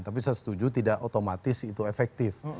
tapi saya setuju tidak otomatis itu efektif